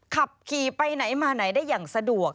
ขับขี่ไปไหนมาไหนได้อย่างสะดวก